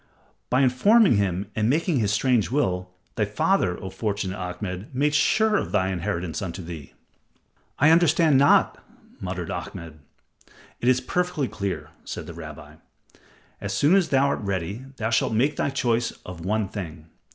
By informing him and making his strange will, thy father, O fortunate Ahmed, made sure of thy inheritance unto thee." "I understand not," muttered Ahmed. "It is perfectly clear," said the rabbi. "As soon as thou art ready, thou shalt make thy choice of one thing.